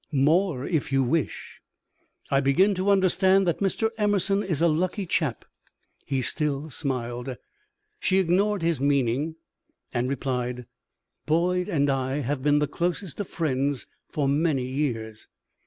"More, if you wish." "I begin to understand that Mr. Emerson is a lucky chap." He still smiled. She ignored his meaning, and replied: "Boyd and I have been the closest of friends for many years."